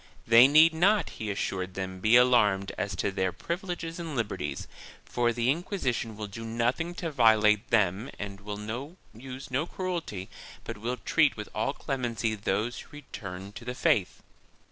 They need not, he assured them, be alarmed as to their privileges and liberties, for the Inquisition will do nothing to violate them and will use no cruelty but will treat with all clemency those who return to the faith.